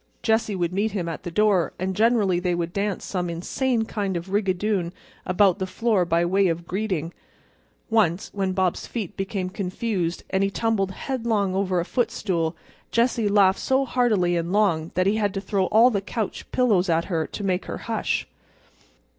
Jessie would meet him at the door, and generally they would dance some insane kind of a rigadoon about the floor by way of greeting. Once when Bob's feet became confused and he tumbled headlong over a foot stool Jessie laughed so heartily and long that he had to throw all the couch pillows at her to make her hush.